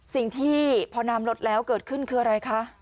สิ่งที่พอน้ำลดแล้วเกิดขึ้นคืออะไรคะ